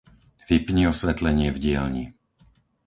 Vypni osvetlenie v dielni.